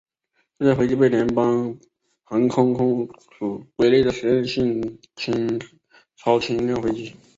这台飞机被联邦航空总署归类为实验性超轻量飞机。